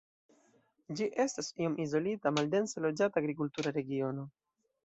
Ĝi estas iom izolita, maldense loĝata agrikultura regiono.